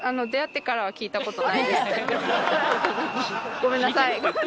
ごめんなさい。